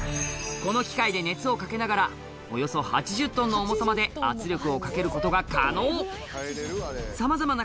この機械で熱をかけながら、およそ８０トンの重さまで圧力をかけることが可能。